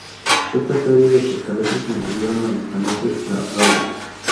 Esta serie de fortalezas, mantuvieron a los daneses a raya.